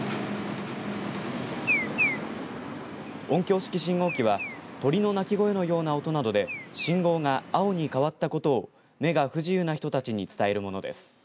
音響式信号機は鳥の鳴き声のような音などで信号が青に変わったことを目が不自由な人たちに伝えるものです。